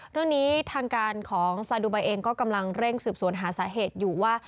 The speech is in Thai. เรื่องนี้ทางการของฟาดูไบเองก็กำลังเร่งสืบสวนหาสาเหตุอยู่ว่า